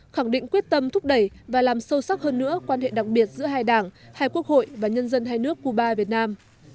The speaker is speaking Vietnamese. khẳng định quyết tâm thúc đẩy và làm sâu sắc hơn nữa quan hệ đặc biệt giữa hai đảng hai quốc hội và nhân dân hai nước cuba việt nam